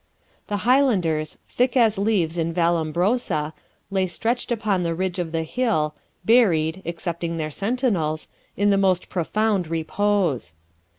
The Highlanders, 'thick as leaves in Vallombrosa,' lay stretched upon the ridge of the hill, buried (excepting their sentinels) in the most profound repose.